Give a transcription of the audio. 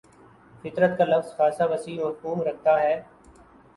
فطرت کا لفظ خاصہ وسیع مفہوم رکھتا ہے